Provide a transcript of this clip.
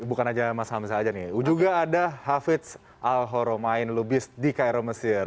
bukan aja mas hamzah aja nih juga ada hafiz al horomain lubis di cairo mesir